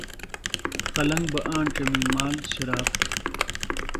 قلنگ بہ آنڇمی مال، شراب